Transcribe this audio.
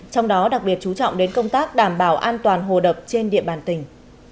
trong đó đặc biệt chú trọng đến công tác đảm bảo an toàn hồ đập trên địa bàn tỉnh